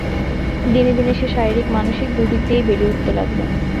দিনে দিনে সে শারীরিক মানসিক দুদিক দিয়েই বেড়ে উঠতে লাগল।